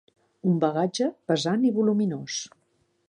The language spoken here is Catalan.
Un bagatge pesant i voluminós.